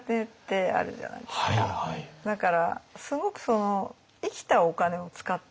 だからすごくその生きたお金を使ってる感じがしますね